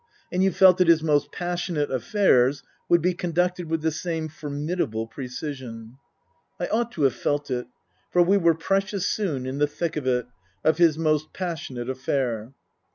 And you felt that his most passionate affairs would be conducted with the same formidable precision. I ought to have felt it. For we were precious soon in the thick of it of his most passionate affair.